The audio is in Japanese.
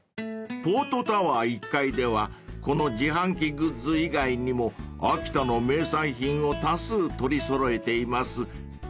［ポートタワー１階ではこの自販機グッズ以外にも秋田の名産品を多数取り揃えています］